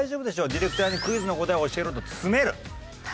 ディレクターにクイズの答えを教えろと詰める。